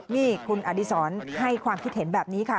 นี่คุณอดีศรให้ความคิดเห็นแบบนี้ค่ะ